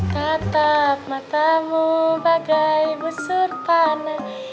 tatap matamu bagai busur panah